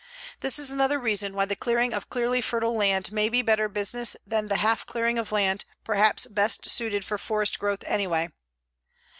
This is another reason why the clearing of clearly fertile land may be better business than the half clearing of land perhaps best suited for forest growth anyway.